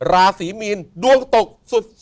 ราศีมีนดวงตกสุด